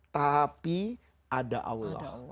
tapi ada allah